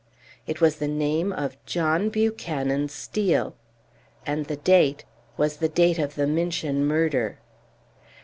It was the name of John Buchanan Steel. And the date was the date of the Minchin murder.